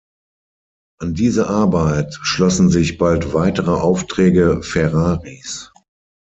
An diese Arbeit schlossen sich bald weitere Aufträge Ferraris.